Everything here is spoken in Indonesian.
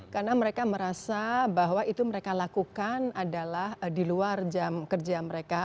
karena mereka merasa bahwa itu mereka lakukan adalah di luar jam kerja mereka